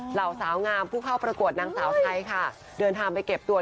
เหล่าสาวงามผู้เข้าประกวดนางสาวไทยค่ะเดินทางไปเก็บตัว